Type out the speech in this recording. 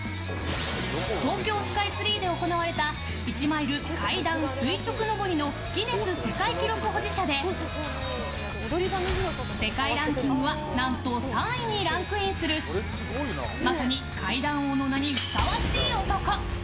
東京スカイツリーで行われた１マイル階段垂直上りのギネス世界記録保持者で世界ランキングは何と３位にランクインするまさに階段王の名にふさわしい男。